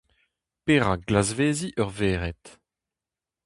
Perak glasveziñ ur vered ?